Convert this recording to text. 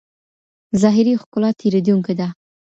ظاهري ښکلا تېرېدونکې ده.